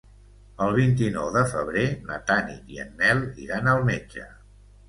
El vint-i-nou de febrer na Tanit i en Nel iran al metge.